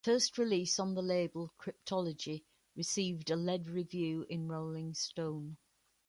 Their first release on the label, "Cryptology", received a lead review in "Rolling Stone".